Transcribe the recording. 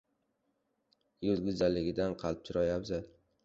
• Yuz go‘zalligidan qalb chiroyi afzal.